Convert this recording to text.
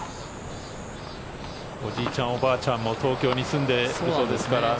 おじいちゃん、おばあちゃんも東京に住んでいるそうですからね。